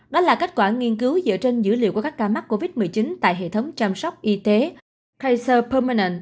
đó là kết quả nghiên cứu dựa trên dữ liệu của các ca mắc covid một mươi chín tại hệ thống chăm sóc y tế kase pomen